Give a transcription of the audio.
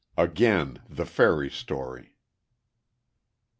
AGAIN THE FAIRY STORY.